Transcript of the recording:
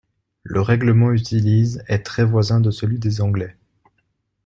Le règlement utilise est très voisin de celui des anglais.